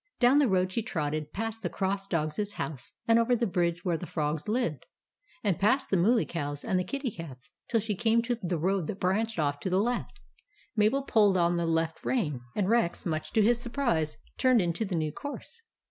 Down the road she trotted, past the Cross Dog's house, and over the bridge where the Frogs lived, and past the Mooly Cow's and the Kitty Cat's, till she came to the road that branched off to the left. Mabel pulled on the left rein, and Rex, much to his sur prise, turned into the new course.